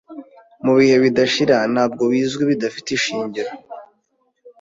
Mubihe bidashira Ntabwo bizwi bidafite ishingiro